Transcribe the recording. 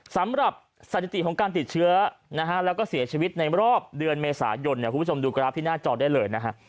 สำหรับสถิติของการติดเชื้อนะฮะแล้วก็เสียชีวิตในรอบเดือนเมษายนคุณผู้ชมดูกราฟที่หน้าจอได้เลยนะฮะ